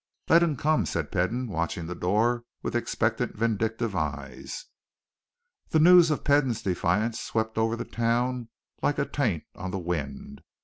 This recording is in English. "Let him come!" said Peden, watching the door with expectant, vindictive eyes. The news of Peden's defiance swept over the town like a taint on the wind.